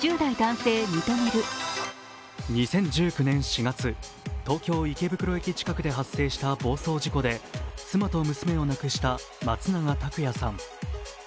２０１９年４月、東京・池袋駅近くで発生した暴走事故で妻と娘を亡くした松永拓也さん。